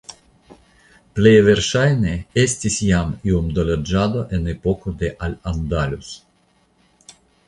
Plej verŝajne estis jam iom da loĝado en epoko de Al Andalus.